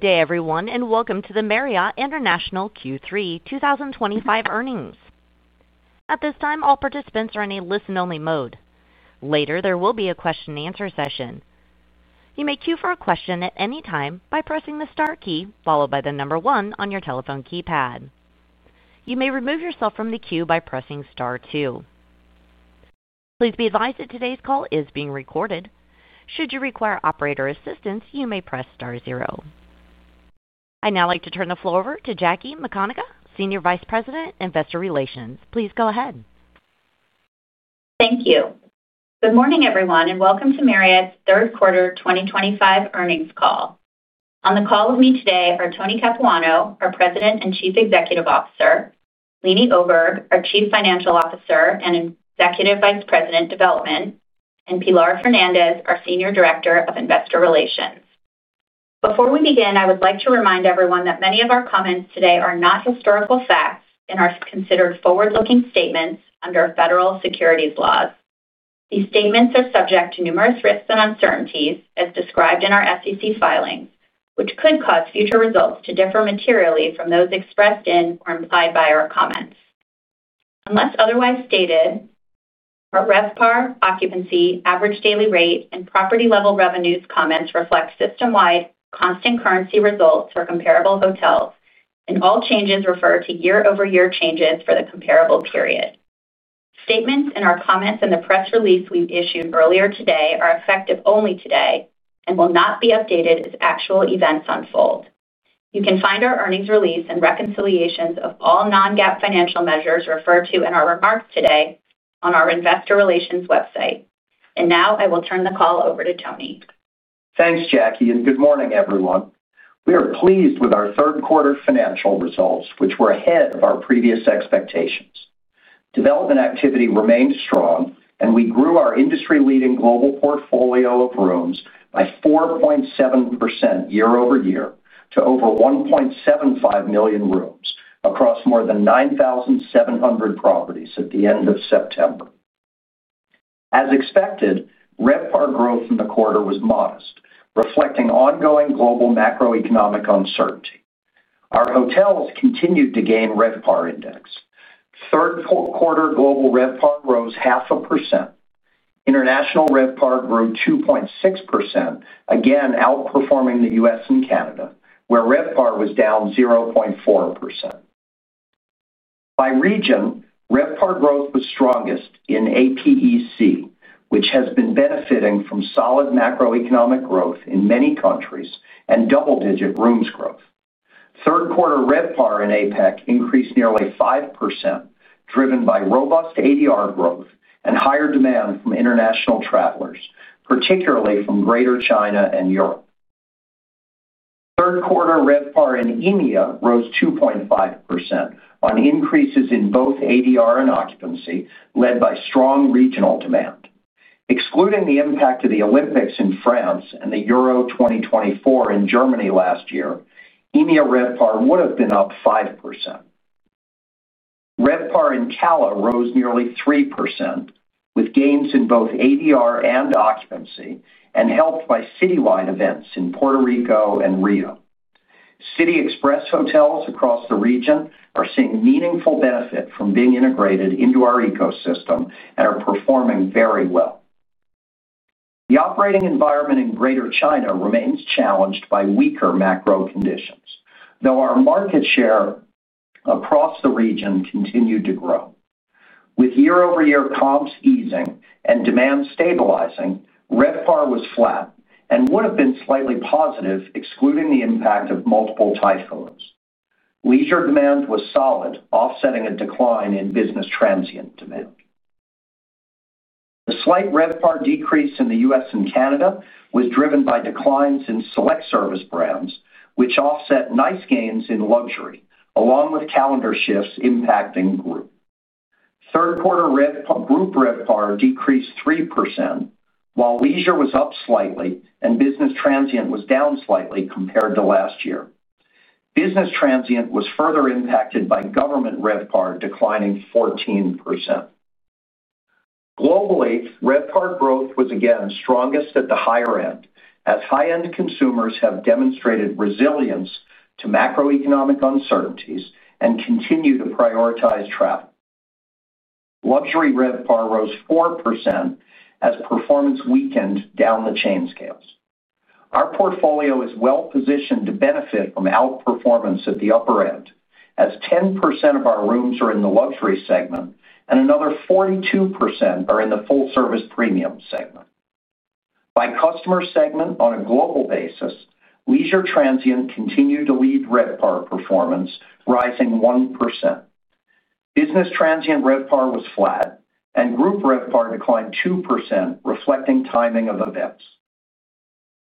Good day, everyone, and Welcome to the Marriott International Q3 2025 earnings. At this time, all participants are in a listen-only mode. Later, there will be a question-and-answer session. You may queue for a question at any time by pressing the star key followed by the number one on your telephone keypad. You may remove yourself from the queue by pressing star two. Please be advised that today's call is being recorded. Should you require operator assistance, you may press star zero. I'd now like to turn the floor over to Jackie McConagha, Senior Vice President, Investor Relations. Please go ahead. Thank you. Good morning, everyone, and Welcome to Marriott's third quarter 2025 earnings call. On the call with me today are Tony Capuano, our President and Chief Executive Officer; Leeny Oberg, our Chief Financial Officer and Executive Vice President, Development; and Pilar Fernandez, our Senior Director of Investor Relations. Before we begin, I would like to remind everyone that many of our comments today are not historical facts and are considered forward-looking statements under federal securities laws. These statements are subject to numerous risks and uncertainties, as described in our SEC filings, which could cause future results to differ materially from those expressed in or implied by our comments. Unless otherwise stated. Our RevPAR, Occupancy, Average Daily Rate, and Property Level Revenues comments reflect system-wide constant currency results for comparable hotels, and all changes refer to year-over-year changes for the comparable period. Statements and our comments in the press release we issued earlier today are effective only today and will not be updated as actual events unfold. You can find our earnings release and reconciliations of all non-GAAP financial measures referred to in our remarks today on our Investor Relations website. And now I will turn the call over to Tony. Thanks, Jackie, and good morning, everyone. We are pleased with our third quarter financial results, which were ahead of our previous expectations. Development activity remained strong, and we grew our industry-leading global portfolio of rooms by 4.7% year-over-year to over 1.75 million rooms across more than 9,700 properties at the end of September. As expected, RevPAR growth in the quarter was modest, reflecting ongoing global macroeconomic uncertainty. Our hotels continued to gain RevPAR index. Third quarter global RevPAR rose 0.5%. International RevPAR grew 2.6%, again outperforming the U.S. and Canada, where RevPAR was down 0.4%. By region, RevPAR growth was strongest in APEC, which has been benefiting from solid macroeconomic growth in many countries and double-digit rooms growth. Third quarter RevPAR in APEC increased nearly 5%, driven by robust ADR growth and higher demand from international travelers, particularly from Greater China and Europe. Third quarter RevPAR in EMEA rose 2.5% on increases in both ADR and occupancy, led by strong regional demand. Excluding the impact of the Olympics in France and the Euro 2024 in Germany last year, EMEA RevPAR would have been up 5%. RevPAR in CALA rose nearly 3%, with gains in both ADR and occupancy, and helped by citywide events in Puerto Rico and Rio. City Express hotels across the region are seeing meaningful benefit from being integrated into our ecosystem and are performing very well. The operating environment in Greater China remains challenged by weaker macro conditions, though our market share across the region continued to grow. With year-over-year comps easing and demand stabilizing, RevPAR was flat and would have been slightly positive, excluding the impact of multiple typhoons. Leisure demand was solid, offsetting a decline in business transient demand. The slight RevPAR decrease in the U.S. and Canada was driven by declines in select service brands, which offset nice gains in luxury, along with calendar shifts impacting group. Third quarter group RevPAR decreased 3%, while leisure was up slightly and business transient was down slightly compared to last year. Business transient was further impacted by government RevPAR, declining 14%. Globally, RevPAR growth was again strongest at the higher end, as high-end consumers have demonstrated resilience to macroeconomic uncertainties and continue to prioritize travel. Luxury RevPAR rose 4% as performance weakened down the chain scales. Our portfolio is well positioned to benefit from outperformance at the upper end, as 10% of our rooms are in the luxury segment and another 42% are in the full-service premium segment. By customer segment on a global basis, leisure transient continued to lead RevPAR performance, rising 1%. Business transient RevPAR was flat, and group RevPAR declined 2%, reflecting timing of events.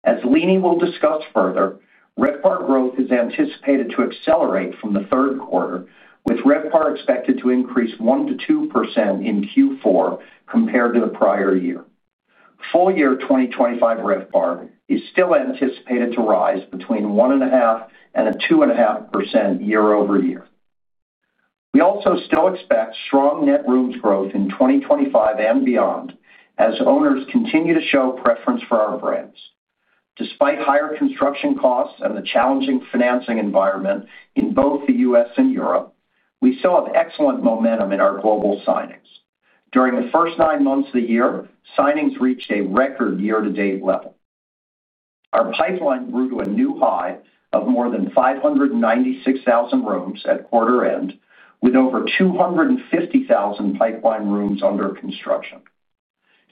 As Leeny will discuss further, RevPAR growth is anticipated to accelerate from the third quarter, with RevPAR expected to increase 1%-2% in Q4 compared to the prior year. Full year 2025 RevPAR is still anticipated to rise between 1.5% and 2.5% year-over-year. We also still expect strong net rooms growth in 2025 and beyond, as owners continue to show preference for our brands. Despite higher construction costs and the challenging financing environment in both the U.S. and Europe, we still have excellent momentum in our global signings. During the first nine months of the year, signings reached a record year-to-date level. Our pipeline grew to a new high of more than 596,000 rooms at quarter end, with over 250,000 pipeline rooms under construction.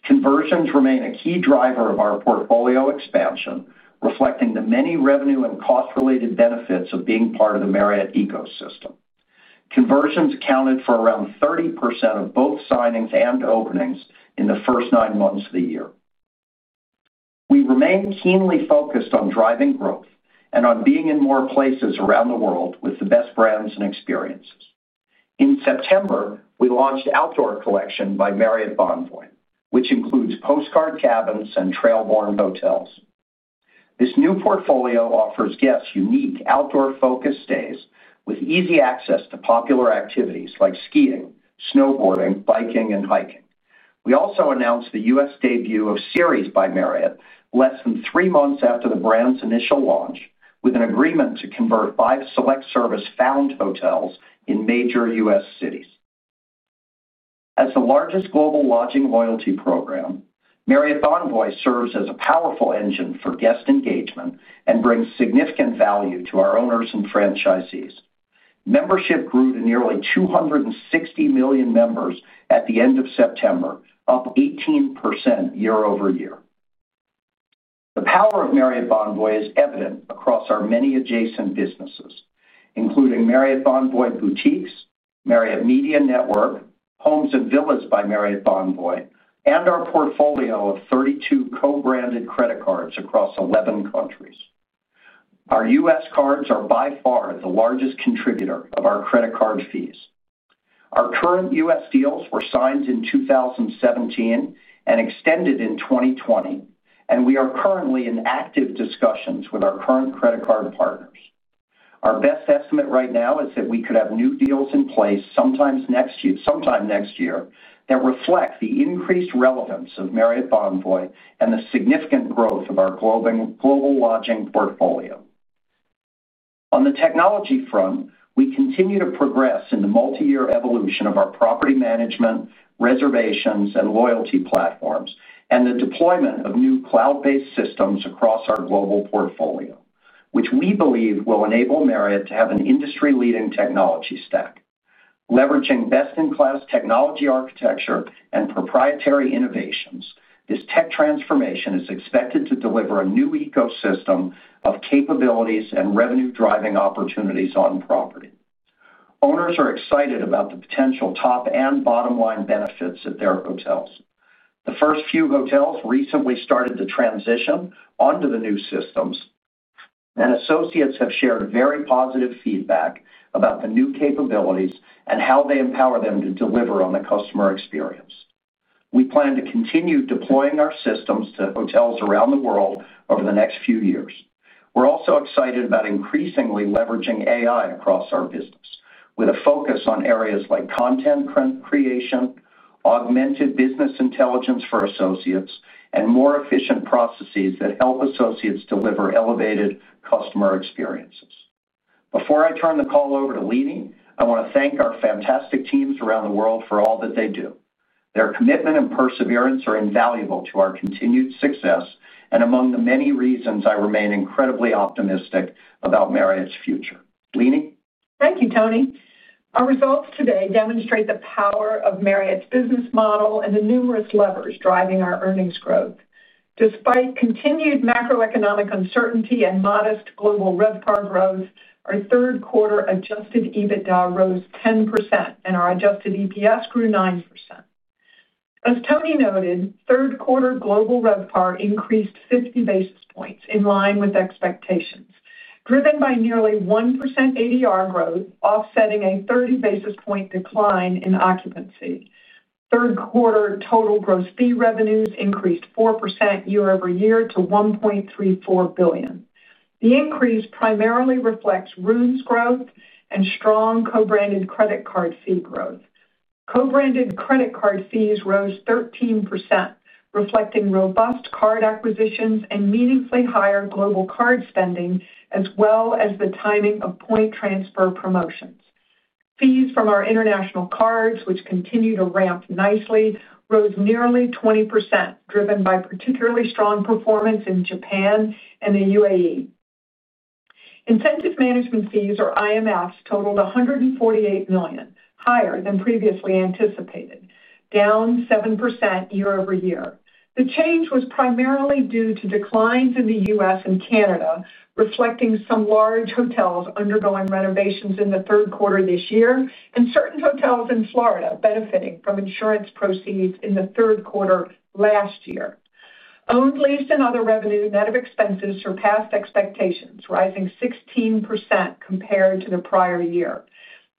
Conversions remain a key driver of our portfolio expansion, reflecting the many revenue and cost-related benefits of being part of the Marriott ecosystem. Conversions accounted for around 30% of both signings and openings in the first nine months of the year. We remain keenly focused on driving growth and on being in more places around the world with the best brands and experiences. In September, we launched Outdoor Collection by Marriott Bonvoy, which includes postcard cabins and trail-borne hotels. This new portfolio offers guests unique outdoor-focused stays with easy access to popular activities like skiing, snowboarding, biking, and hiking. We also announced the U.S. debut of Series by Marriott less than three months after the brand's initial launch, with an agreement to convert five select-service owned hotels in major U.S. cities. As the largest global lodging loyalty program, Marriott Bonvoy serves as a powerful engine for guest engagement and brings significant value to our owners and franchisees. Membership grew to nearly 260 million members at the end of September, up 18% year-over-year. The power of Marriott Bonvoy is evident across our many adjacent businesses, including Marriott Bonvoy Boutiques, Marriott Media Network, Homes & Villas by Marriott Bonvoy, and our portfolio of 32 co-branded credit cards across 11 countries. Our U.S. cards are by far the largest contributor of our credit card fees. Our current U.S. deals were signed in 2017 and extended in 2020, and we are currently in active discussions with our current credit card partners. Our best estimate right now is that we could have new deals in place sometime next year that reflect the increased relevance of Marriott Bonvoy and the significant growth of our global lodging portfolio. On the technology front, we continue to progress in the multi-year evolution of our property management, reservations, and loyalty platforms and the deployment of new cloud-based systems across our global portfolio, which we believe will enable Marriott to have an industry-leading technology stack. Leveraging best-in-class technology architecture and proprietary innovations, this tech transformation is expected to deliver a new ecosystem of capabilities and revenue-driving opportunities on property. Owners are excited about the potential top and bottom-line benefits at their hotels. The first few hotels recently started the transition onto the new systems, and associates have shared very positive feedback about the new capabilities and how they empower them to deliver on the customer experience. We plan to continue deploying our systems to hotels around the world over the next few years. We're also excited about increasingly leveraging AI across our business, with a focus on areas like content creation, augmented business intelligence for associates, and more efficient processes that help associates deliver elevated customer experiences. Before I turn the call over to Leeny, I want to thank our fantastic teams around the world for all that they do. Their commitment and perseverance are invaluable to our continued success and among the many reasons I remain incredibly optimistic about Marriott's future. Leeny? Thank you, Tony. Our results today demonstrate the power of Marriott's business model and the numerous levers driving our earnings growth. Despite continued macroeconomic uncertainty and modest global RevPAR growth, our third quarter adjusted EBITDA rose 10%, and our adjusted EPS grew 9%. As Tony noted, third quarter global RevPAR increased 50 basis points in line with expectations, driven by nearly 1% ADR growth, offsetting a 30 basis point decline in occupancy. Third quarter total gross fee revenues increased 4% year-over-year to $1.34 billion. The increase primarily reflects rooms growth and strong co-branded credit card fee growth. Co-branded credit card fees rose 13%, reflecting robust card acquisitions and meaningfully higher global card spending, as well as the timing of point transfer promotions. Fees from our international cards, which continue to ramp nicely, rose nearly 20%, driven by particularly strong performance in Japan and the UAE. Incentive management fees, or IMFs, totaled $148 million, higher than previously anticipated, down 7% year-over-year. The change was primarily due to declines in the U.S. and Canada, reflecting some large hotels undergoing renovations in the third quarter this year and certain hotels in Florida benefiting from insurance proceeds in the third quarter last year. Owned lease and other revenue net of expenses surpassed expectations, rising 16% compared to the prior year.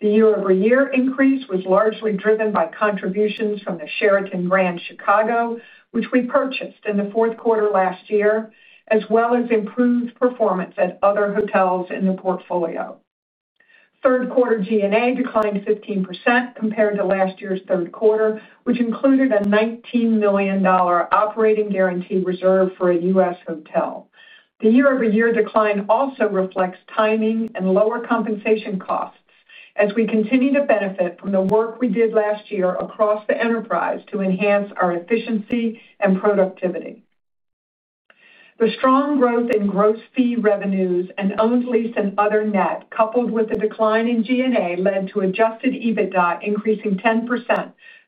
The year-over-year increase was largely driven by contributions from the Sheraton Grand Chicago, which we purchased in the fourth quarter last year, as well as improved performance at other hotels in the portfolio. Third quarter G&A declined 15% compared to last year's third quarter, which included a $19 million operating guarantee reserve for a U.S. hotel. The year-over-year decline also reflects timing and lower compensation costs, as we continue to benefit from the work we did last year across the enterprise to enhance our efficiency and productivity. The strong growth in gross fee revenues and owned lease and other net, coupled with the decline in G&A, led to adjusted EBITDA increasing 10%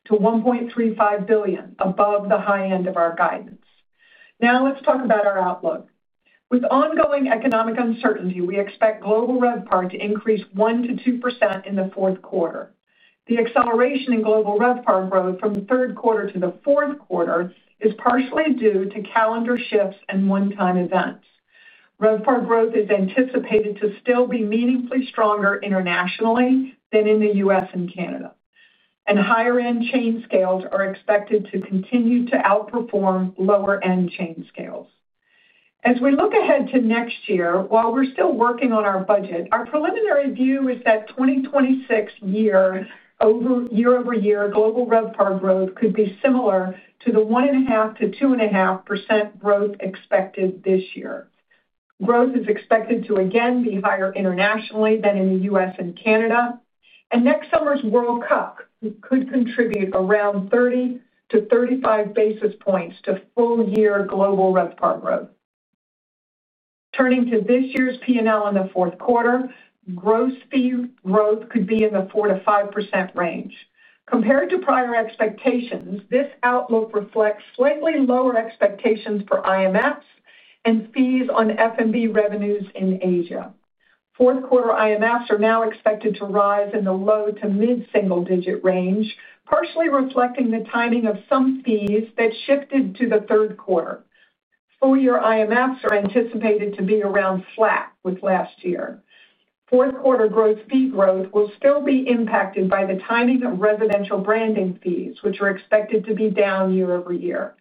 to $1.35 billion, above the high end of our guidance. Now let's talk about our outlook. With ongoing economic uncertainty, we expect global RevPAR to increase 1%-2% in the fourth quarter. The acceleration in global RevPAR growth from the third quarter to the fourth quarter is partially due to calendar shifts and one-time events. RevPAR growth is anticipated to still be meaningfully stronger internationally than in the U.S. and Canada, and higher-end chain scales are expected to continue to outperform lower-end chain scales. As we look ahead to next year, while we're still working on our budget, our preliminary view is that 2026 year, over year-over-year, global RevPAR growth could be similar to the 1.5%-2.5% growth expected this year. Growth is expected to again be higher internationally than in the U.S. and Canada, and next summer's World Cup could contribute around 30 basis points-35 basis points to full year global RevPAR growth. Turning to this year's P&L in the fourth quarter, gross fee growth could be in the 4%-5% range. Compared to prior expectations, this outlook reflects slightly lower expectations for IMFs and fees on F&B revenues in Asia. Fourth quarter IMFs are now expected to rise in the low to mid-single-digit range, partially reflecting the timing of some fees that shifted to the third quarter. Full-year IMFs are anticipated to be around flat with last year. Fourth quarter gross fee growth will still be impacted by the timing of residential branding fees, which are expected to be down year-over-year.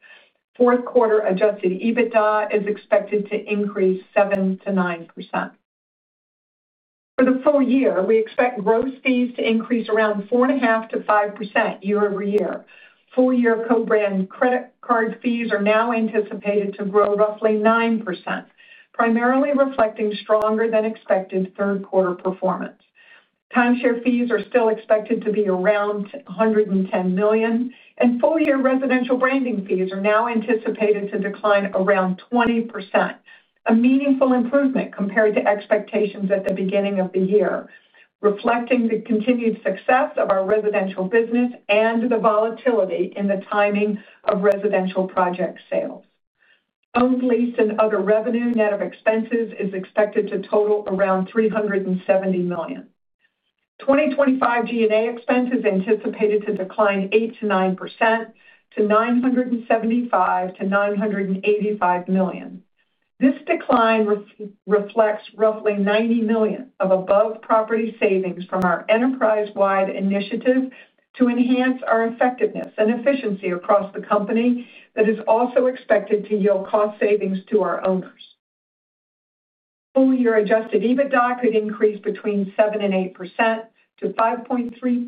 Fourth quarter adjusted EBITDA is expected to increase 7%-9%. For the full year, we expect gross fees to increase around 4.5%-5% year-over-year. Full year co-brand credit card fees are now anticipated to grow roughly 9%, primarily reflecting stronger-than-expected third quarter performance. Timeshare fees are still expected to be around $110 million, and full year residential branding fees are now anticipated to decline around 20%, a meaningful improvement compared to expectations at the beginning of the year, reflecting the continued success of our residential business and the volatility in the timing of residential project sales. Owned lease and other revenue net of expenses is expected to total around $370 million. 2025 G&A expenses are anticipated to decline 8%-9% to $975 million-$985 million. This decline reflects roughly $90 million of above-property savings from our enterprise-wide initiative to enhance our effectiveness and efficiency across the company that is also expected to yield cost savings to our owners. Full year adjusted EBITDA could increase between 7% and 8% to $5.35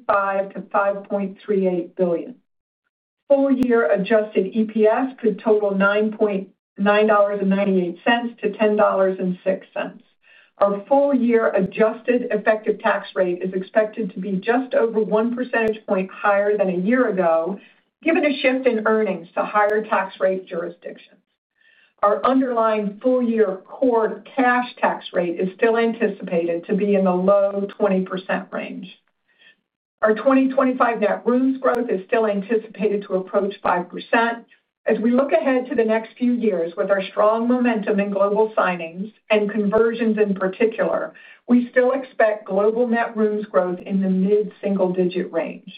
billion-$5.38 billion. Full year adjusted EPS could total $9.998-$10.06. Our full year adjusted effective tax rate is expected to be just over 1 percentage point higher than a year ago, given a shift in earnings to higher tax rate jurisdictions. Our underlying full year core cash tax rate is still anticipated to be in the low 20% range. Our 2025 net rooms growth is still anticipated to approach 5%. As we look ahead to the next few years, with our strong momentum in global signings and conversions in particular, we still expect global net rooms growth in the mid-single-digit range.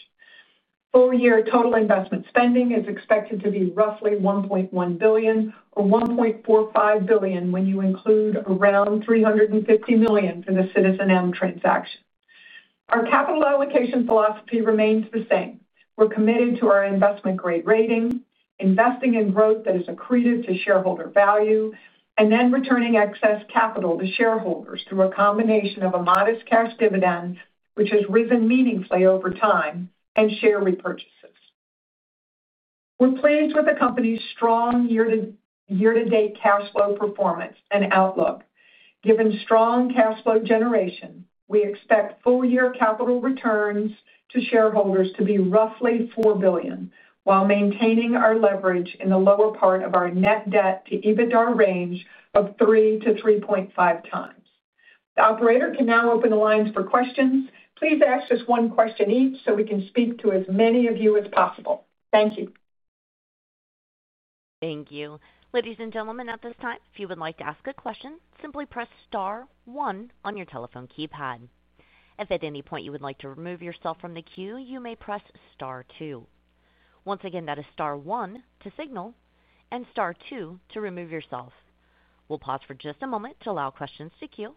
Full year total investment spending is expected to be roughly $1.1 billion or $1.45 billion when you include around $350 million for the citizenM transaction. Our capital allocation philosophy remains the same. We're committed to our investment-grade rating, investing in growth that is accretive to shareholder value, and then returning excess capital to shareholders through a combination of a modest cash dividend, which has risen meaningfully over time, and share repurchases. We're pleased with the company's strong year-to-date cash flow performance and outlook. Given strong cash flow generation, we expect full year capital returns to shareholders to be roughly $4 billion, while maintaining our leverage in the lower part of our net debt to EBITDA range of 3x-3.5x. The operator can now open the lines for questions. Please ask just one question each so we can speak to as many of you as possible. Thank you. Thank you. Ladies and gentlemen, at this time, if you would like to ask a question, simply press star one on your telephone keypad. If at any point you would like to remove yourself from the queue, you may press star two. Once again, that is star one to signal and star two to remove yourself. We'll pause for just a moment to allow questions to queue.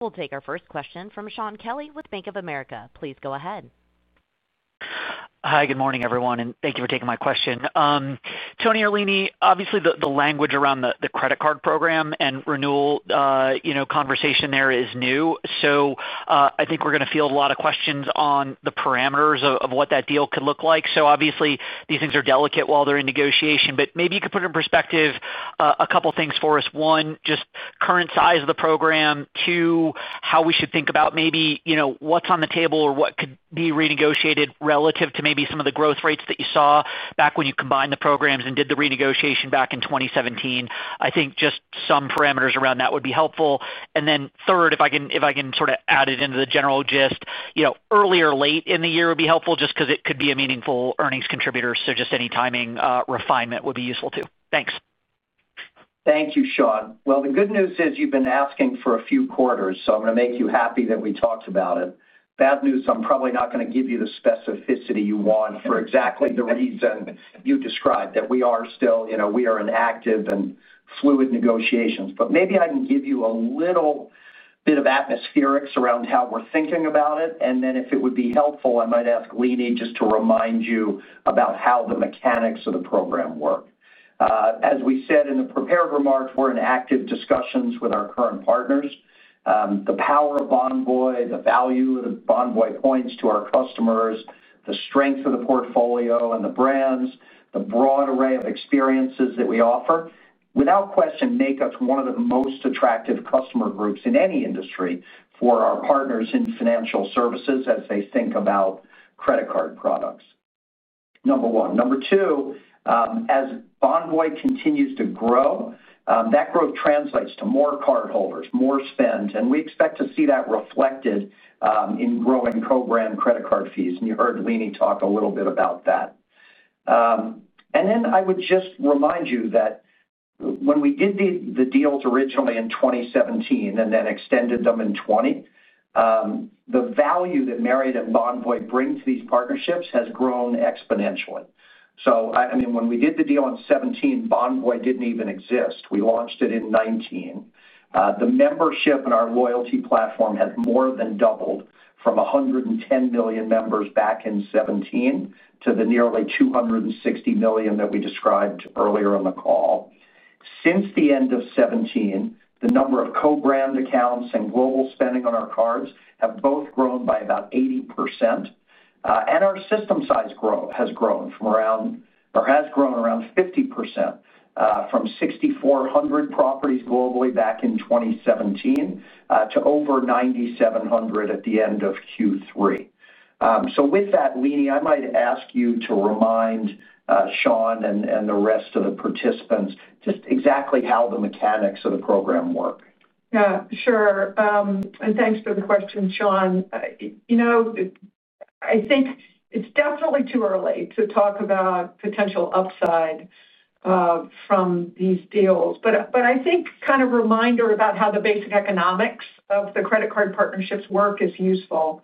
We'll take our first question from Shaun Kelley with Bank of America. Please go ahead. Hi, good morning, everyone, and thank you for taking my question. Tony or Leeny, obviously, the language around the credit card program and renewal conversation there is new. So I think we're going to field a lot of questions on the parameters of what that deal could look like. So obviously, these things are delicate while they're in negotiation, but maybe you could put in perspective a couple of things for us. One, just current size of the program. Two, how we should think about maybe what's on the table or what could be renegotiated relative to maybe some of the growth rates that you saw back when you combined the programs and did the renegotiation back in 2017. I think just some parameters around that would be helpful. And then third, if I can sort of add it into the general gist, earlier or late in the year would be helpful just because it could be a meaningful earnings contributor. So just any timing refinement would be useful too. Thanks. Thank you, Shaun. Well, the good news is you've been asking for a few quarters, so I'm going to make you happy that we talked about it. Bad news, I'm probably not going to give you the specificity you want for exactly the reason you described, that we are still in active and fluid negotiations. But maybe I can give you a little bit of atmospherics around how we're thinking about it. And then if it would be helpful, I might ask Leeny just to remind you about how the mechanics of the program work. As we said in the prepared remarks, we're in active discussions with our current partners. The power of Bonvoy, the value of Bonvoy points to our customers, the strength of the portfolio and the brands, the broad array of experiences that we offer, without question, make us one of the most attractive customer groups in any industry for our partners in financial services as they think about credit card products. Number one. Number two, as Bonvoy continues to grow, that growth translates to more cardholders, more spend, and we expect to see that reflected in growing co-branded credit card fees. And you heard Leeny talk a little bit about that. And then I would just remind you that when we did the deals originally in 2017 and then extended them in 2020. The value that Marriott and Bonvoy bring to these partnerships has grown exponentially. So I mean, when we did the deal in 2017, Bonvoy didn't even exist. We launched it in 2019. The membership in our loyalty platform has more than doubled from 110 million members back in 2017 to the nearly 260 million that we described earlier on the call. Since the end of 2017, the number of co-branded accounts and global spending on our cards have both grown by about 80%. And our system size has grown around 50% from 6,400 properties globally back in 2017 to over 9,700 at the end of Q3. So with that, Leeny, I might ask you to remind Sean and the rest of the participants just exactly how the mechanics of the program work. Yeah, sure. And thanks for the question, Shaun. I think it's definitely too early to talk about potential upside from these deals. But I think kind of a reminder about how the basic economics of the credit card partnerships work is useful.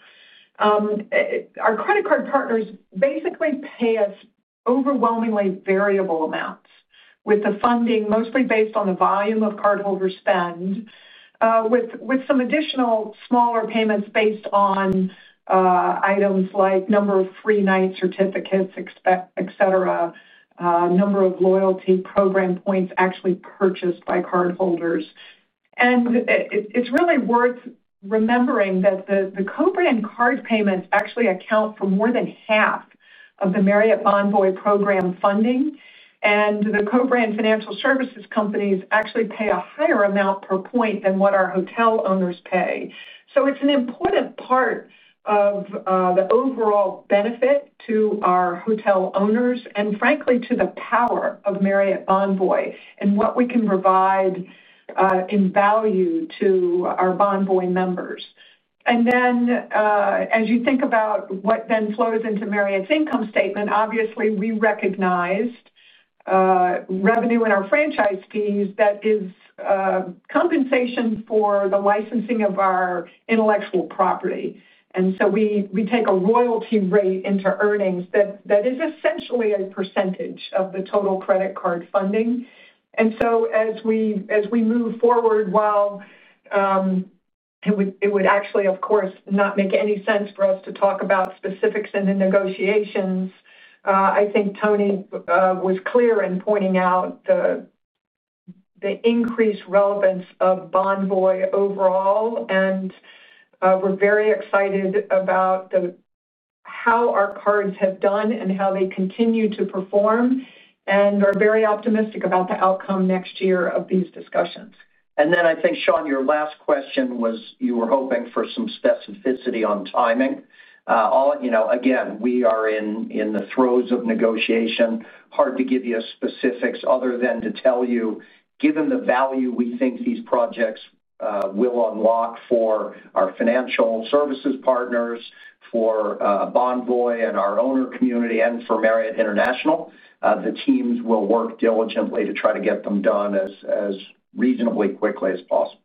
Our credit card partners basically pay us overwhelmingly variable amounts with the funding, mostly based on the volume of cardholder spend, with some additional smaller payments based on items like number of free night certificates, etc., number of loyalty program points actually purchased by cardholders. And it's really worth remembering that the co-brand card payments actually account for more than half of the Marriott Bonvoy program funding. And the co-brand financial services companies actually pay a higher amount per point than what our hotel owners pay. So it's an important part of the overall benefit to our hotel owners and, frankly, to the power of Marriott Bonvoy and what we can provide in value to our Bonvoy members. And then as you think about what then flows into Marriott's income statement, obviously, we recognized revenue in our franchise fees that is compensation for the licensing of our intellectual property. And so we take a royalty rate into earnings that is essentially a percentage of the total credit card funding. And so as we move forward, while it would actually, of course, not make any sense for us to talk about specifics in the negotiations, I think Tony was clear in pointing out the increased relevance of Bonvoy overall. And we're very excited about how our cards have done and how they continue to perform. And are very optimistic about the outcome next year of these discussions. I think, Shaun, your last question was you were hoping for some specificity on timing. Again, we are in the throes of negotiation. Hard to give you specifics other than to tell you, given the value we think these projects will unlock for our financial services partners, for Bonvoy and our owner community, and for Marriott International, the teams will work diligently to try to get them done as reasonably quickly as possible.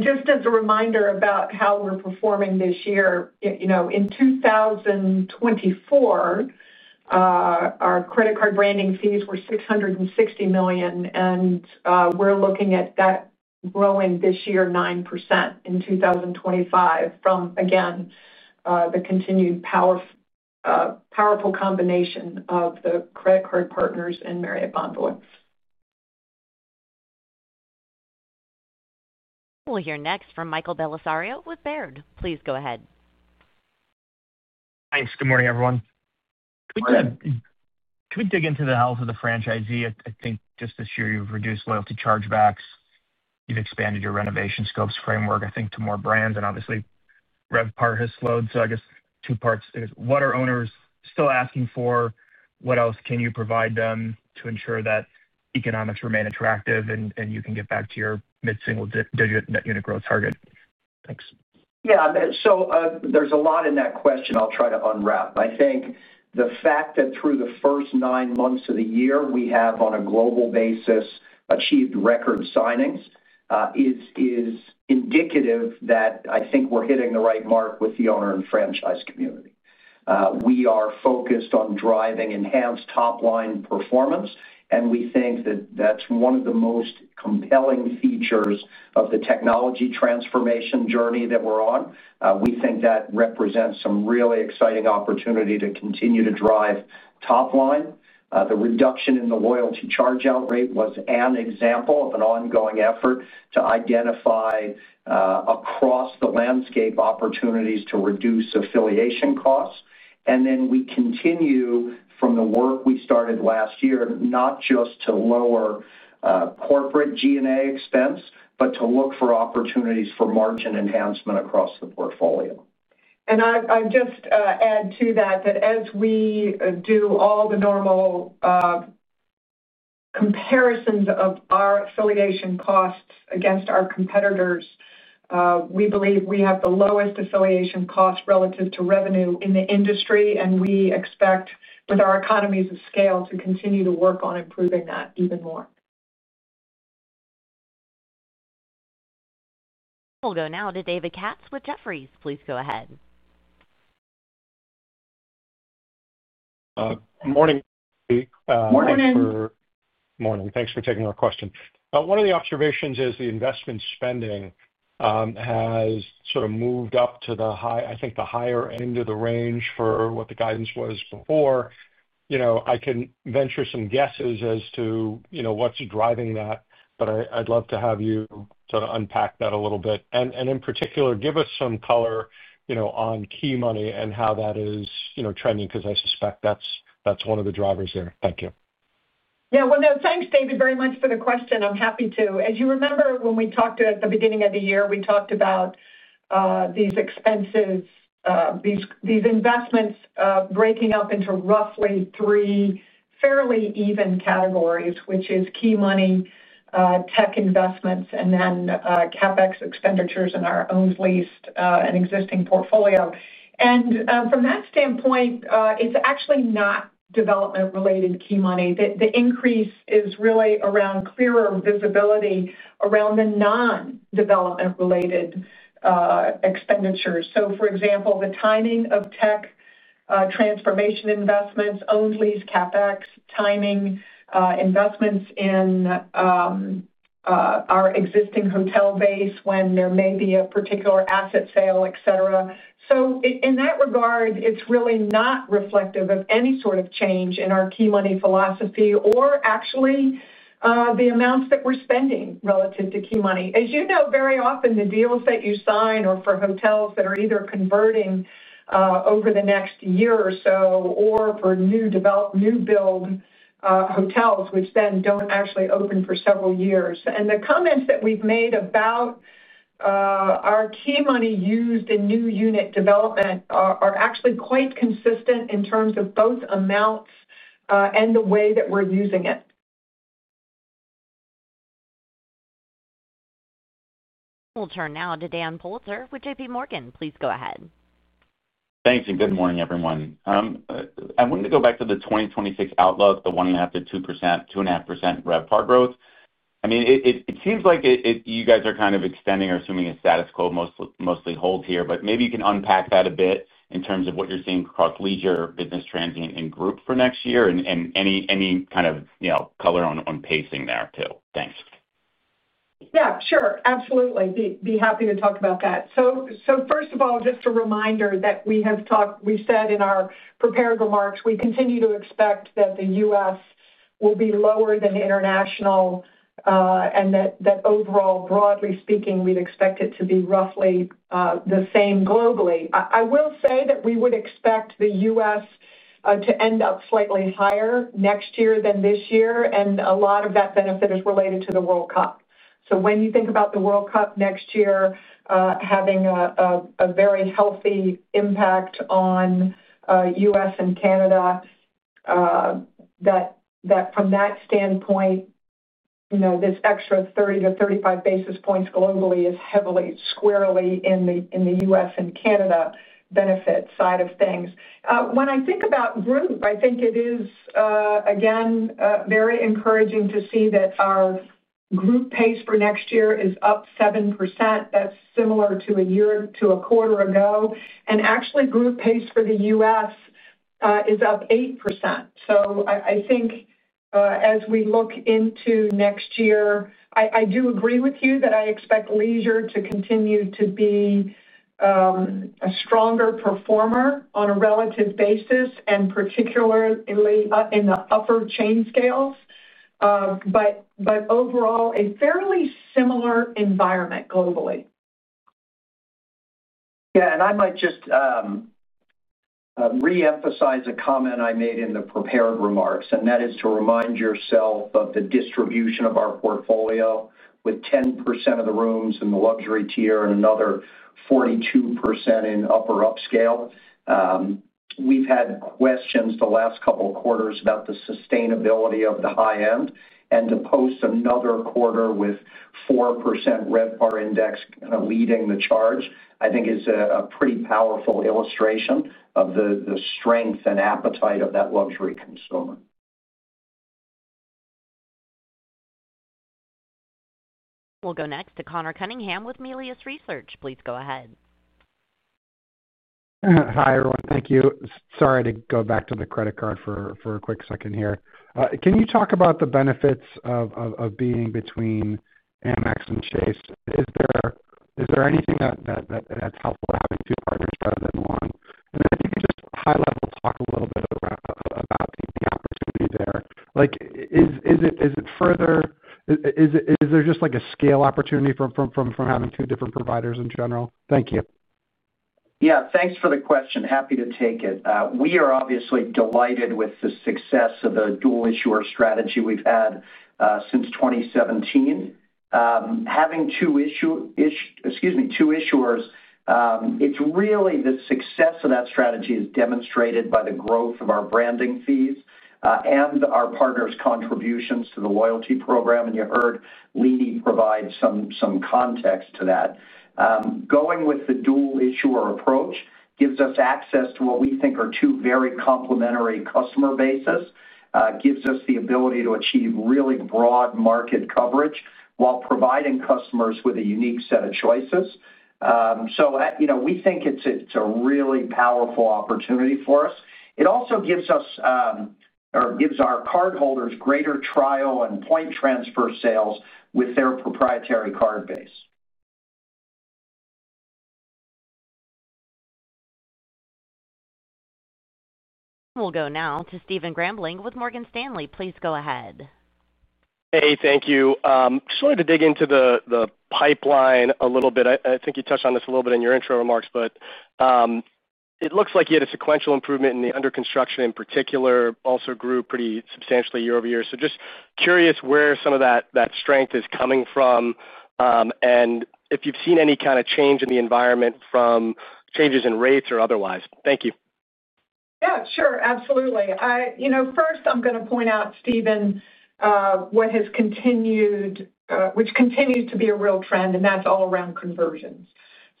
Just as a reminder about how we're performing this year, in 2024. Our credit card branding fees were $660 million, and we're looking at that growing this year 9% in 2025 from, again, the continued powerful combination of the credit card partners and Marriott Bonvoy. We'll hear next from Michael Bellisario with Baird. Please go ahead. Thanks. Good morning, everyone. Good morning. Can we dig into the health of the franchisee? I think just this year, you've reduced loyalty chargebacks. You've expanded your renovation scopes framework, I think, to more brands. And obviously, RevPAR has slowed. So I guess two parts. What are owners still asking for? What else can you provide them to ensure that economics remain attractive and you can get back to your mid-single-digit net unit growth target? Thanks. Yeah. So there's a lot in that question I'll try to unwrap. I think the fact that through the first nine months of the year, we have, on a global basis, achieved record signings is indicative that I think we're hitting the right mark with the owner and franchise community. We are focused on driving enhanced top-line performance, and we think that that's one of the most compelling features of the technology transformation journey that we're on. We think that represents some really exciting opportunity to continue to drive top-line. The reduction in the loyalty chargeout rate was an example of an ongoing effort to identify across the landscape opportunities to reduce affiliation costs. And then we continue from the work we started last year, not just to lower corporate G&A expense, but to look for opportunities for margin enhancement across the portfolio. I'll just add to that that as we do all the normal comparisons of our affiliation costs against our competitors. We believe we have the lowest affiliation cost relative to revenue in the industry, and we expect, with our economies of scale, to continue to work on improving that even more. We'll go now to David Katz with Jefferies. Please go ahead. Morning. Morning. Morning. Thanks for taking our question. One of the observations is the investment spending. Has sort of moved up to the high, I think the higher. Into the range for what the guidance was before. I can venture some guesses as to what's driving that, but I'd love to have you sort of unpack that a little bit. And in particular, give us some color on key money and how that is trending because I suspect that's one of the drivers there. Thank you. Yeah. Well, no, thanks, David, very much for the question. I'm happy to. As you remember, when we talked at the beginning of the year, we talked about these expenses, these investments breaking up into roughly three fairly even categories, which is key money, tech investments, and then CapEx expenditures in our own leased and existing portfolio and from that standpoint, it's actually not development-related key money. The increase is really around clearer visibility around the non-development-related expenditures. For example, the timing of tech transformation investments, owned lease CapEx, timing investments in our existing hotel base when there may be a particular asset sale, etc., so in that regard, it's really not reflective of any sort of change in our key money philosophy or actually the amounts that we're spending relative to key money. As you know, very often, the deals that you sign are for hotels that are either converting over the next year or so or for new-build hotels, which then don't actually open for several years and the comments that we've made about our key money used in new unit development are actually quite consistent in terms of both amounts and the way that we're using it. We'll turn now to [Dan Poulter] with JPMorgan. Please go ahead. Thanks. And good morning, everyone. I wanted to go back to the 2026 outlook, the 1.5%-2.5% RevPAR growth. I mean, it seems like you guys are kind of extending or assuming a status quo mostly holds here, but maybe you can unpack that a bit in terms of what you're seeing across leisure, business transient, and group for next year and any kind of color on pacing there too? Thanks. Yeah, sure. Absolutely. Be happy to talk about that. So first of all, just a reminder that we have talked, we said in our prepared remarks, we continue to expect that the U.S. will be lower than the international. And that overall, broadly speaking, we'd expect it to be roughly the same globally. I will say that we would expect the U.S. to end up slightly higher next year than this year, and a lot of that benefit is related to the World Cup. So when you think about the World Cup next year, having a very healthy impact on the U.S. and Canada. That from that standpoint. This extra 30 basis points-35 basis points globally is heavily, squarely in the U.S. and Canada benefit side of things. When I think about group, I think it is, again, very encouraging to see that our group pace for next year is up 7%. That's similar to a year to a quarter ago. And actually, group pace for the U.S. is up 8%. So I think. As we look into next year, I do agree with you that I expect leisure to continue to be a stronger performer on a relative basis, and particularly in the upper chain scales. But overall, a fairly similar environment globally. Yeah. And I might just re-emphasize a comment I made in the prepared remarks, and that is to remind yourself of the distribution of our portfolio with 10% of the rooms in the luxury tier and another 42% in upper upscale. We've had questions the last couple of quarters about the sustainability of the high end. And to post another quarter with 4% RevPAR index kind of leading the charge, I think, is a pretty powerful illustration of the strength and appetite of that luxury consumer. We'll go next to Connor Cunningham with Melius Research. Please go ahead. Hi, everyone. Thank you. Sorry to go back to the credit card for a quick second here. Can you talk about the benefits of being between Amex and Chase? Is there anything that's helpful to having two partners rather than one? And then if you could just high-level talk a little bit about the opportunity there. Is it further? Is there just a scale opportunity from having two different providers in general? Thank you. Yeah. Thanks for the question. Happy to take it. We are obviously delighted with the success of the dual issuer strategy we've had since 2017. Having two issuers. It's really the success of that strategy is demonstrated by the growth of our branding fees and our partners' contributions to the loyalty program. And you heard Leeny provide some context to that. Going with the dual issuer approach gives us access to what we think are two very complementary customer bases, gives us the ability to achieve really broad market coverage while providing customers with a unique set of choices. So we think it's a really powerful opportunity for us. It also gives us or gives our cardholders greater trial and point transfer sales with their proprietary card base. We'll go now to Stephen Grambling with Morgan Stanley. Please go ahead. Hey, thank you. Just wanted to dig into the pipeline a little bit. I think you touched on this a little bit in your intro remarks, but it looks like you had a sequential improvement in the under construction in particular, also grew pretty substantially year-over-year. So just curious where some of that strength is coming from. And if you've seen any kind of change in the environment from changes in rates or otherwise. Thank you. Yeah, sure. Absolutely. First, I'm going to point out, Stephen, what has continued, which continues to be a real trend, and that's all around conversions.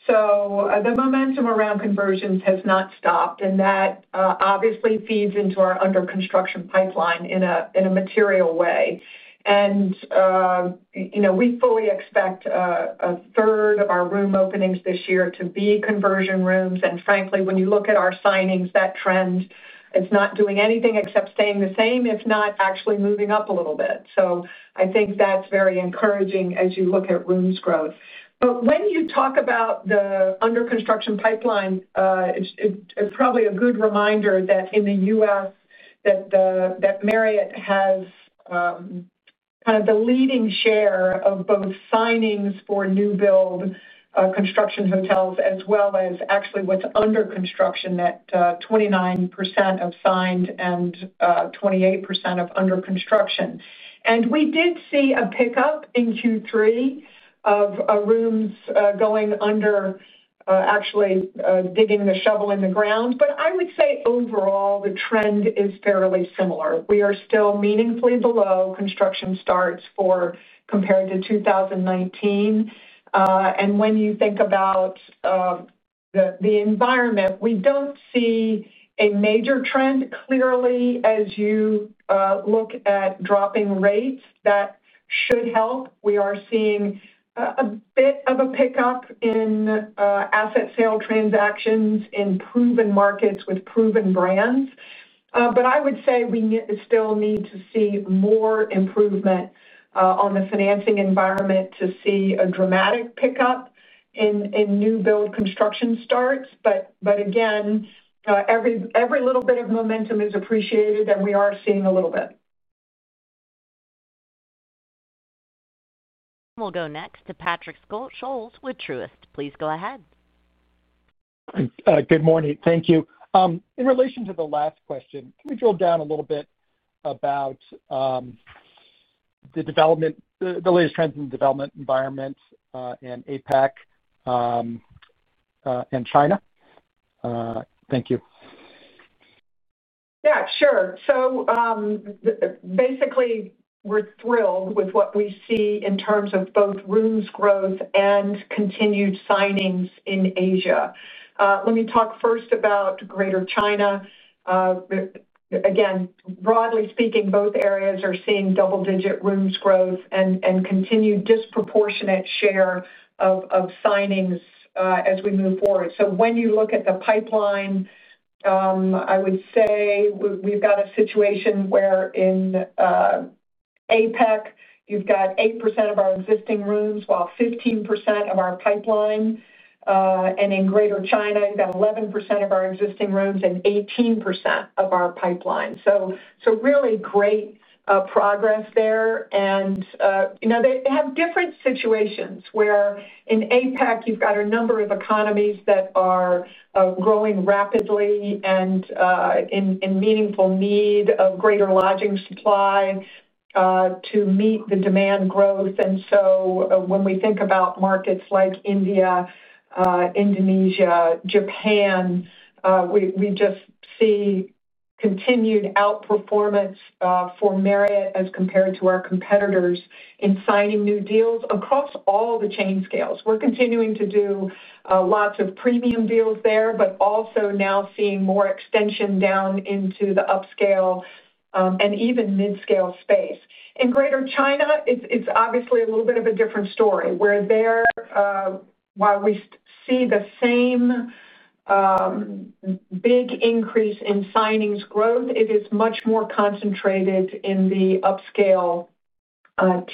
So the momentum around conversions has not stopped, and that obviously feeds into our under construction pipeline in a material way. And we fully expect a third of our room openings this year to be conversion rooms. And frankly, when you look at our signings, that trend, it's not doing anything except staying the same, if not actually moving up a little bit. So I think that's very encouraging as you look at rooms growth. But when you talk about the under construction pipeline, it's probably a good reminder that in the U.S., that Marriott has kind of the leading share of both signings for new-build construction hotels as well as actually what's under construction, that 29% of signed and 28% of under construction. And we did see a pickup in Q3 of rooms going under, actually digging the shovel in the ground. But I would say overall, the trend is fairly similar. We are still meaningfully below construction starts compared to 2019. And when you think about the environment, we don't see a major trend clearly as you look at dropping rates that should help. We are seeing a bit of a pickup in asset sale transactions, in proven markets with proven brands. But I would say we still need to see more improvement on the financing environment to see a dramatic pickup in new-build construction starts. But again, every little bit of momentum is appreciated, and we are seeing a little bit. We'll go next to Patrick Scholes with Truist. Please go ahead. Good morning. Thank you. In relation to the last question, can we drill down a little bit about the latest trends in the development environment and APAC and China? Thank you. Yeah, sure. So, basically, we're thrilled with what we see in terms of both rooms growth and continued signings in Asia. Let me talk first about Greater China. Again, broadly speaking, both areas are seeing double-digit rooms growth and continued disproportionate share of signings as we move forward. So when you look at the pipeline, I would say we've got a situation where in APAC, you've got 8% of our existing rooms while 15% of our pipeline. And in Greater China, you've got 11% of our existing rooms and 18% of our pipeline. So really great progress there. And they have different situations where in APAC, you've got a number of economies that are growing rapidly and in meaningful need of greater lodging supply to meet the demand growth. And so when we think about markets like India, Indonesia, Japan, we just see continued outperformance for Marriott as compared to our competitors in signing new deals across all the chain scales. We're continuing to do lots of premium deals there, but also now seeing more extension down into the upscale and even mid-scale space. In Greater China, it's obviously a little bit of a different story where there, while we see the same big increase in signings growth, it is much more concentrated in the upscale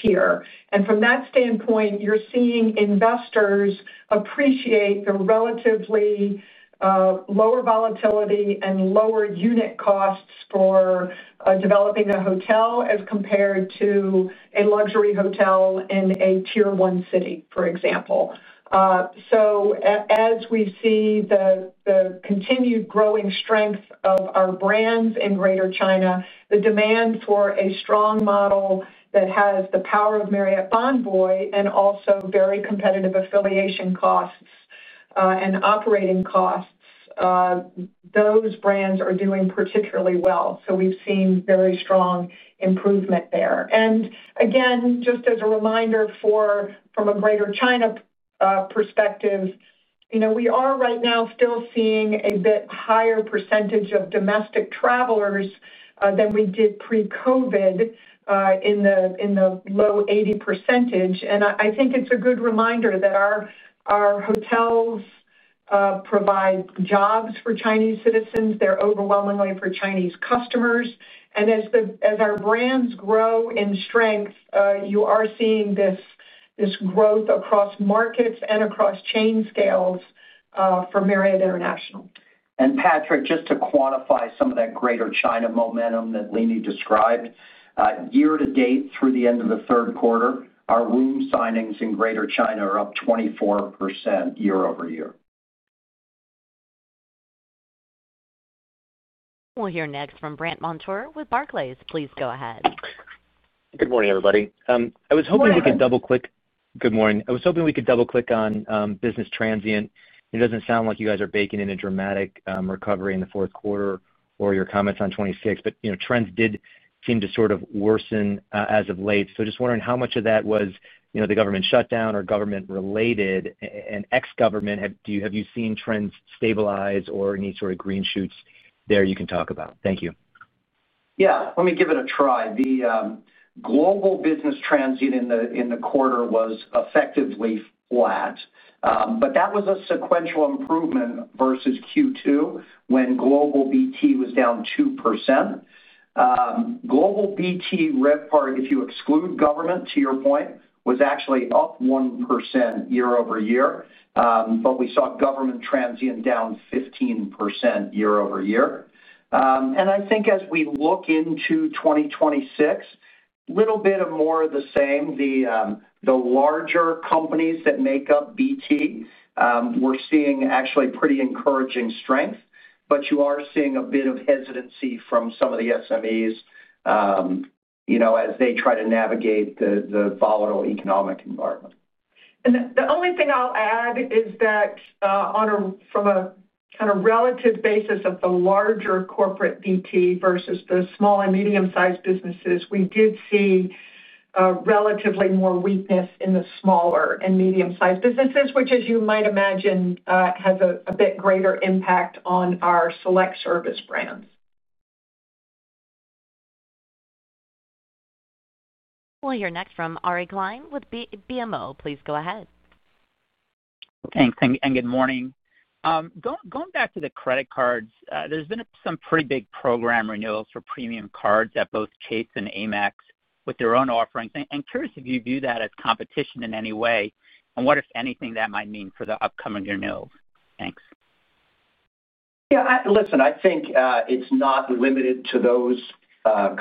tier. And from that standpoint, you're seeing investors appreciate the relatively lower volatility and lower unit costs for developing a hotel as compared to a luxury hotel in a tier one city, for example. So as we see the continued growing strength of our brands in Greater China, the demand for a strong model that has the power of Marriott Bonvoy and also very competitive affiliation costs and operating costs. Those brands are doing particularly well. So we've seen very strong improvement there. And again, just as a reminder from a Greater China perspective, we are right now still seeing a bit higher percentage of domestic travelers than we did pre-COVID in the low 80%. And I think it's a good reminder that our hotels provide jobs for Chinese citizens. They're overwhelmingly for Chinese customers. And as our brands grow in strength, you are seeing this growth across markets and across chain scales for Marriott International. And Patrick, just to quantify some of that Greater China momentum that Leeny described, year to date, through the end of the third quarter, our room signings in Greater China are up 24% year-over-year. We'll hear next from Brandt Montour with Barclays. Please go ahead. Good morning. I was hoping we could double-click on business transient. It doesn't sound like you guys are baking in a dramatic recovery in the fourth quarter or your comments on 2026, but trends did seem to sort of worsen as of late. So just wondering how much of that was the government shutdown or government-related and ex-government. Have you seen trends stabilize or any sort of green shoots there you can talk about? Thank you. Yeah. Let me give it a try. Global business transient in the quarter was effectively flat. But that was a sequential improvement versus Q2 when global BT was down 2%. Global BT RevPAR, if you exclude government, to your point, was actually up 1% year-over-year. But we saw government transient down 15% year-over-year. And I think as we look into 2026. A little bit of more of the same. The larger companies that make up BT. We're seeing actually pretty encouraging strength, but you are seeing a bit of hesitancy from some of the SMEs. As they try to navigate the volatile economic environment. And the only thing I'll add is that from a kind of relative basis of the larger corporate BT versus the small and medium-sized businesses, we did see relatively more weakness in the smaller and medium-sized businesses, which, as you might imagine, has a bit greater impact on our select service brands. We'll hear next from Ari Klein with BMO. Please go ahead. Thanks. And good morning. Going back to the credit cards, there's been some pretty big program renewals for premium cards at both Chase and Amex with their own offerings. And curious if you view that as competition in any way and what, if anything, that might mean for the upcoming renewals. Thanks. Yeah. Listen, I think it's not limited to those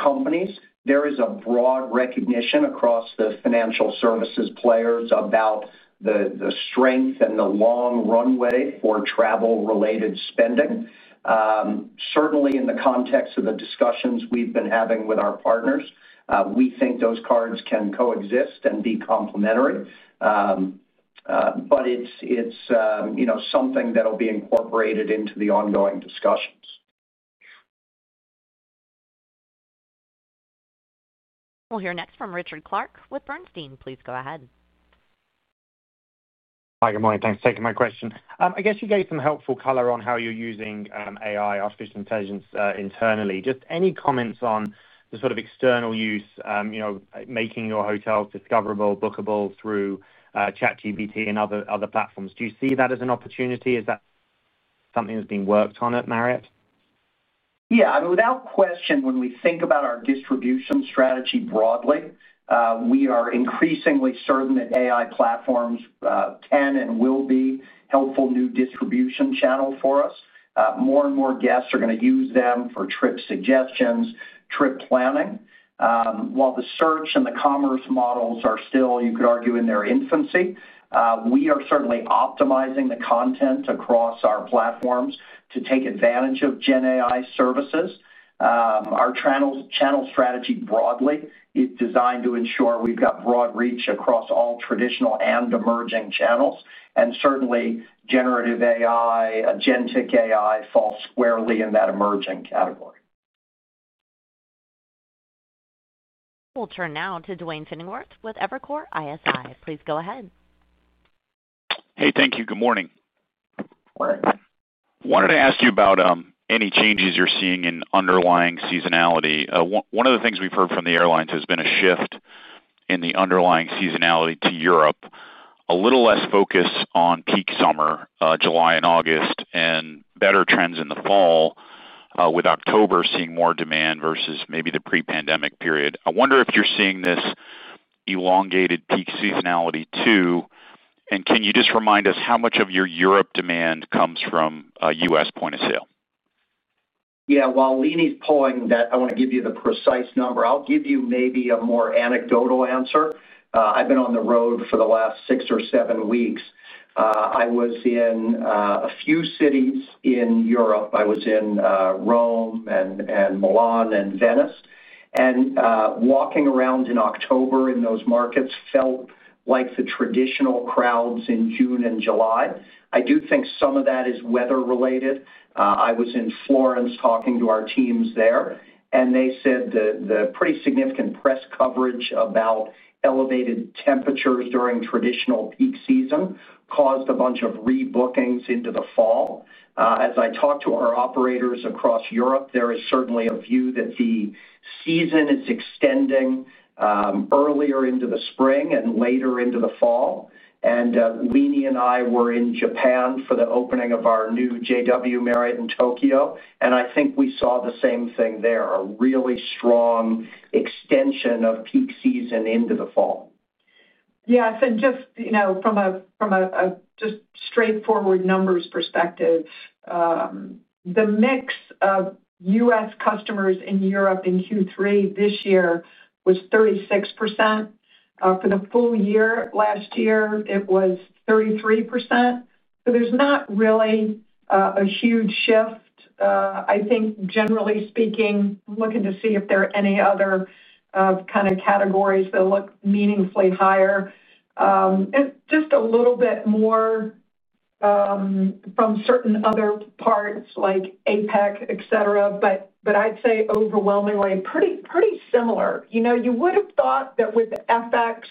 companies. There is a broad recognition across the financial services players about the strength and the long runway for travel-related spending. Certainly, in the context of the discussions we've been having with our partners, we think those cards can coexist and be complementary. But it's something that'll be incorporated into the ongoing discussions. We'll hear next from Richard Clarke with Bernstein. Please go ahead. Hi, good morning. Thanks for taking my question. I guess you gave some helpful color on how you're using AI, artificial intelligence internally. Just any comments on the sort of external use, making your hotels discoverable, bookable through ChatGPT and other platforms? Do you see that as an opportunity? Is that something that's being worked on at Marriott? Yeah. I mean, without question, when we think about our distribution strategy broadly, we are increasingly certain that AI platforms can and will be helpful new distribution channels for us. More and more guests are going to use them for trip suggestions, trip planning. While the search and the commerce models are still, you could argue, in their infancy, we are certainly optimizing the content across our platforms to take advantage of GenAI services. Our channel strategy broadly is designed to ensure we've got broad reach across all traditional and emerging channels, and certainly generative AI, agentic AI falls squarely in that emerging category. We'll turn now to Duane Pfennigwerth with Evercore ISI. Please go ahead. Hey, thank you. Good morning. Wanted to ask you about any changes you're seeing in underlying seasonality. One of the things we've heard from the airlines has been a shift in the underlying seasonality to Europe, a little less focus on peak summer, July and August, and better trends in the fall. With October seeing more demand versus maybe the pre-pandemic period. I wonder if you're seeing this elongated peak seasonality too, and can you just remind us how much of your Europe demand comes from U.S. point of sale? Yeah. While Leeny's pulling that, I want to give you the precise number. I'll give you maybe a more anecdotal answer. I've been on the road for the last six or seven weeks. I was in a few cities in Europe. I was in Rome and Milan and Venice, and walking around in October in those markets felt like the traditional crowds in June and July. I do think some of that is weather-related. I was in Florence talking to our teams there, and they said the pretty significant press coverage about elevated temperatures during traditional peak season caused a bunch of rebookings into the fall. As I talked to our operators across Europe, there is certainly a view that the season is extending earlier into the spring and later into the fall, and Leeny and I were in Japan for the opening of our new JW Marriott in Tokyo, and I think we saw the same thing there, a really strong extension of peak season into the fall. Yes. And just from a straightforward numbers perspective. The mix of U.S. customers in Europe in Q3 this year was 36%. For the full year last year, it was 33%. So there's not really a huge shift. I think, generally speaking, I'm looking to see if there are any other kind of categories that look meaningfully higher. Just a little bit more from certain other parts like APAC, etc., but I'd say overwhelmingly pretty similar. You would have thought that with the FX,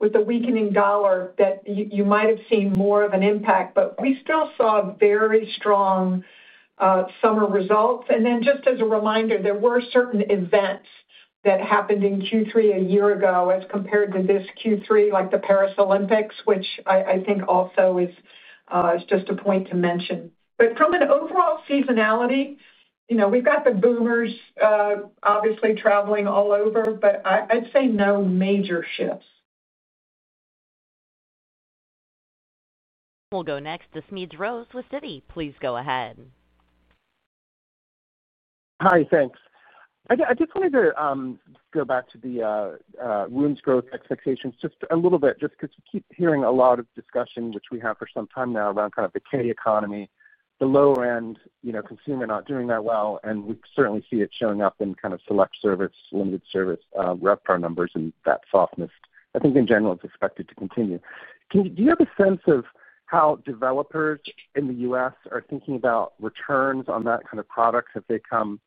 with the weakening dollar, that you might have seen more of an impact, but we still saw very strong summer results. And then just as a reminder, there were certain events that happened in Q3 a year ago as compared to this Q3, like the Paris Olympics, which I think also is just a point to mention. But from an overall seasonality, we've got the boomers obviously traveling all over, but I'd say no major shifts. We'll go next to Smedes Rose with Citi. Please go ahead. Hi, thanks. I just wanted to go back to the rooms growth expectations just a little bit, just because we keep hearing a lot of discussion, which we have for some time now around kind of the K economy, the low-end consumer not doing that well, and we certainly see it showing up in kind of select service, limited service RevPAR numbers and that softness. I think in general, it's expected to continue. Do you have a sense of how developers in the U.S. are thinking about returns on that kind of product? Have they come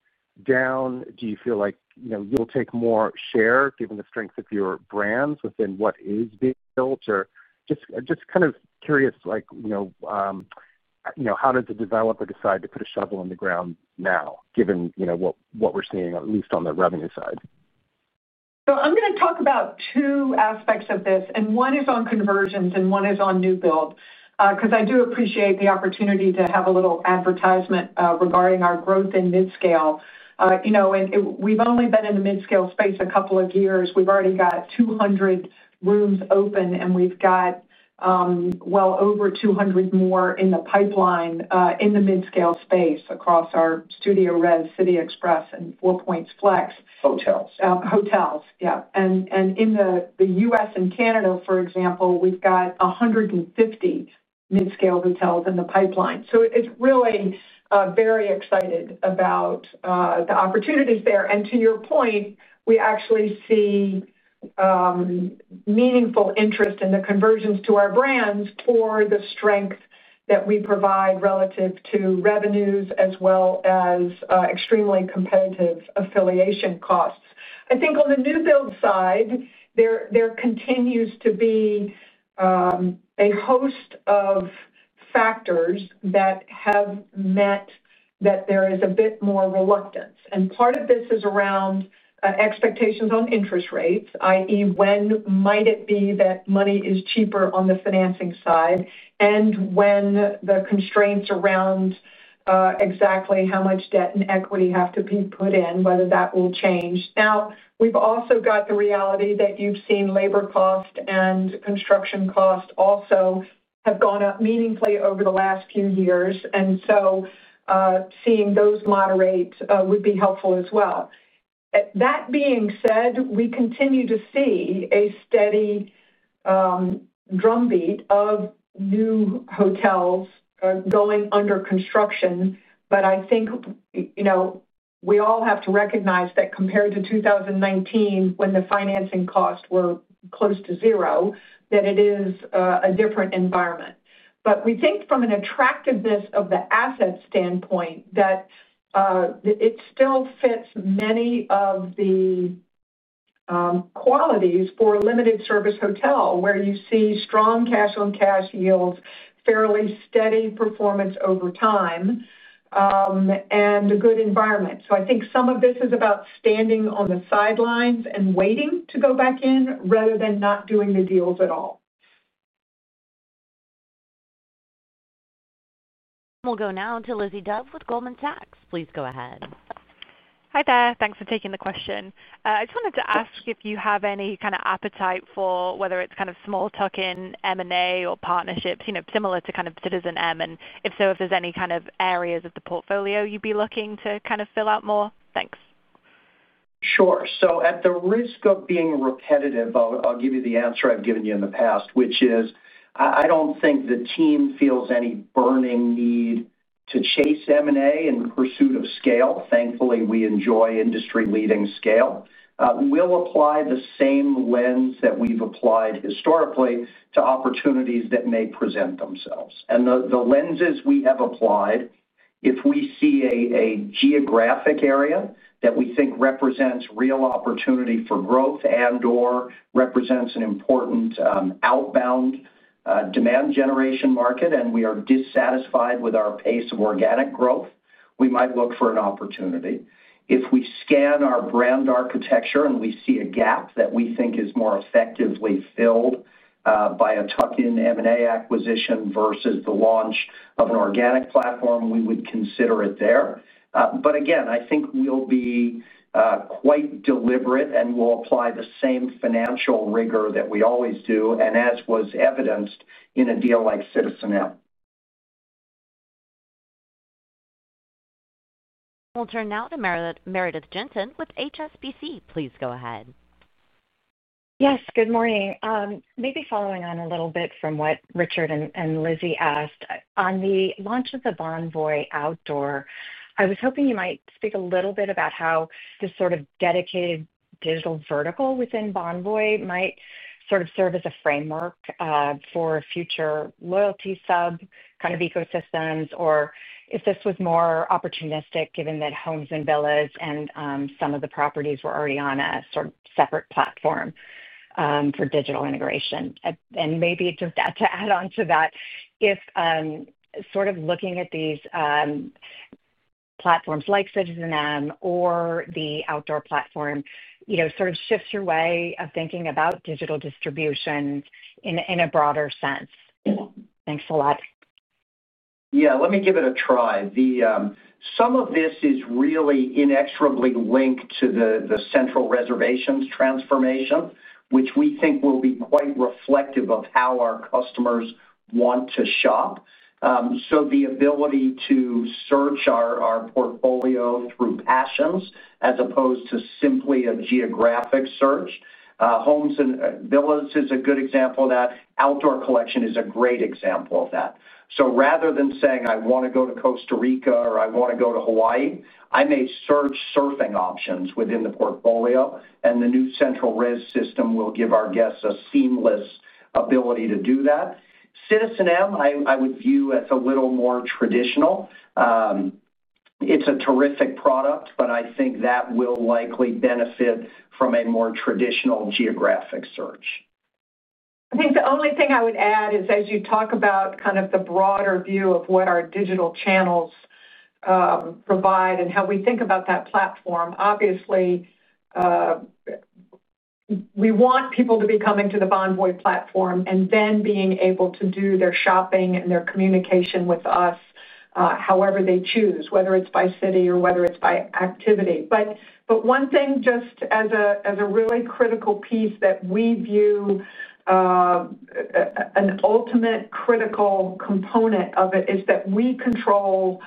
down? Do you feel like you'll take more share given the strength of your brands within what is built? Or just kind of curious. How does a developer decide to put a shovel in the ground now, given what we're seeing, at least on the revenue side? So I'm going to talk about two aspects of this, and one is on conversions and one is on new build, because I do appreciate the opportunity to have a little advertisement regarding our growth in mid-scale. And we've only been in the mid-scale space a couple of years. We've already got 200 rooms open, and we've got well over 200 more in the pipeline in the mid-scale space across our StudioRes, City Express, and Four Points Flex. Hotels. Hotels, yeah. And in the U.S. and Canada, for example, we've got 150 mid-scale hotels in the pipeline. So it's really very excited about the opportunities there. And to your point, we actually see meaningful interest in the conversions to our brands for the strength that we provide relative to revenues as well as extremely competitive affiliation costs. I think on the new build side, there continues to be a host of factors that have meant that there is a bit more reluctance. And part of this is around expectations on interest rates, i.e., when might it be that money is cheaper on the financing side, and when the constraints around exactly how much debt and equity have to be put in, whether that will change. Now, we've also got the reality that you've seen labor costs and construction costs also have gone up meaningfully over the last few years. And so seeing those moderate would be helpful as well. That being said, we continue to see a steady drumbeat of new hotels going under construction. But I think we all have to recognize that compared to 2019, when the financing costs were close to zero, that it is a different environment. But we think from an attractiveness of the asset standpoint that it still fits many of the qualities for a limited service hotel where you see strong cash-on-cash yields, fairly steady performance over time, and a good environment. So I think some of this is about standing on the sidelines and waiting to go back in rather than not doing the deals at all. We'll go now to Lizzie Dove with Goldman Sachs. Please go ahead. Hi there. Thanks for taking the question. I just wanted to ask if you have any kind of appetite for whether it's kind of small tuck-in M&A or partnerships similar to kind of citizenM, and if so, if there's any kind of areas of the portfolio you'd be looking to kind of fill out more. Thanks. Sure. So at the risk of being repetitive, I'll give you the answer I've given you in the past, which is I don't think the team feels any burning need to chase M&A in pursuit of scale. Thankfully, we enjoy industry-leading scale. We'll apply the same lens that we've applied historically to opportunities that may present themselves, and the lenses we have applied, if we see a geographic area that we think represents real opportunity for growth and/or represents an important outbound demand generation market, and we are dissatisfied with our pace of organic growth, we might look for an opportunity. If we scan our brand architecture and we see a gap that we think is more effectively filled by a tuck-in M&A acquisition versus the launch of an organic platform, we would consider it there, but again, I think we'll be quite deliberate and we'll apply the same financial rigor that we always do, and as was evidenced in a deal like citizenM. We'll turn now to Meredith Jensen with HSBC. Please go ahead. Yes, good morning. Maybe following on a little bit from what Richard and Lizzie asked, on the launch of the Bonvoy Outdoor, I was hoping you might speak a little bit about how this sort of dedicated digital vertical within Bonvoy might sort of serve as a framework for future loyalty sub kind of ecosystems, or if this was more opportunistic given that Homes & Villas and some of the properties were already on a sort of separate platform for digital integration. And maybe just to add on to that, if sort of looking at these platforms like citizenM or the outdoor platform sort of shifts your way of thinking about digital distribution in a broader sense. Thanks a lot. Yeah, let me give it a try. Some of this is really inexorably linked to the central reservations transformation, which we think will be quite reflective of how our customers want to shop. So the ability to search our portfolio through passions as opposed to simply a geographic search, Homes & Villas is a good example of that. Outdoor Collection is a great example of that. So rather than saying, "I want to go to Costa Rica," or, "I want to go to Hawaii," I may search surfing options within the portfolio, and the new central res system will give our guests a seamless ability to do that citizenM I would view as a little more traditional. It's a terrific product, but I think that will likely benefit from a more traditional geographic search. I think the only thing I would add is, as you talk about kind of the broader view of what our digital channels provide and how we think about that platform, obviously, we want people to be coming to the Bonvoy platform and then being able to do their shopping and their communication with us, however they choose, whether it's by city or whether it's by activity, but one thing, just as a really critical piece that we view an ultimate critical component of it is that we control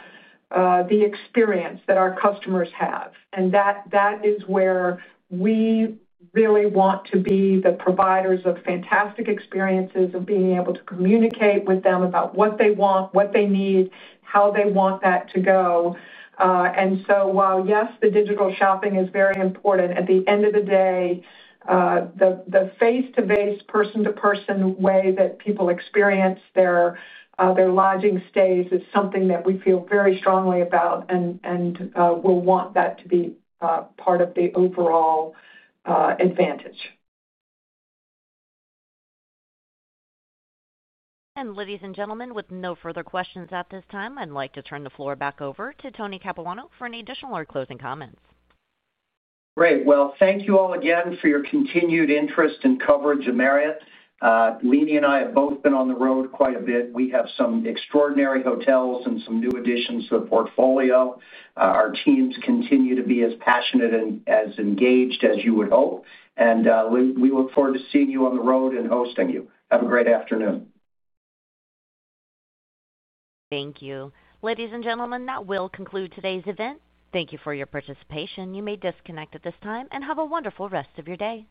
the experience that our customers have, and that is where we really want to be the providers of fantastic experiences of being able to communicate with them about what they want, what they need, how they want that to go, and so while, yes, the digital shopping is very important, at the end of the day, the face-to-face, person-to-person way that people experience their lodging stays is something that we feel very strongly about and will want that to be part of the overall advantage. Ladies and gentlemen, with no further questions at this time, I'd like to turn the floor back over to Tony Capuano for any additional or closing comments. Great. Well, thank you all again for your continued interest and coverage of Marriott. Leeny and I have both been on the road quite a bit. We have some extraordinary hotels and some new additions to the portfolio. Our teams continue to be as passionate and as engaged as you would hope. And we look forward to seeing you on the road and hosting you. Have a great afternoon. Thank you. Ladies and gentlemen, that will conclude today's event. Thank you for your participation. You may disconnect at this time and have a wonderful rest of your day.